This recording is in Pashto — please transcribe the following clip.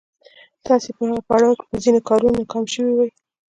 تاسې په هغه پړاو کې په ځينو کارونو ناکام شوي وئ.